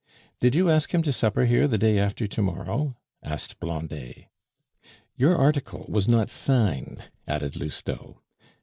"Did you ask him to supper here the day after to morrow?" asked Blondet. "You article was not signed," added Lousteau.